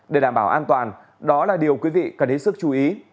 để đảm bảo an toàn đó là điều quý vị cần hết sức chú ý